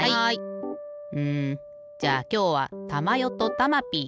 うんじゃあきょうはたまよとたまピー。